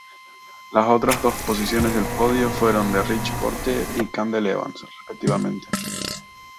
Las otras dos posiciones del podio fueron para Richie Porte y Cadel Evans, respectivamente.